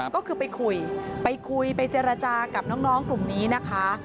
ก็คือไปคุยไปคุยไปเจรจากับน้องกลุ่มนี้นะคะ